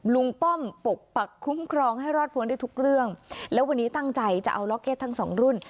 ป้อมปกปักคุ้มครองให้รอดพ้นได้ทุกเรื่องแล้ววันนี้ตั้งใจจะเอาล็อกเก็ตทั้งสองรุ่น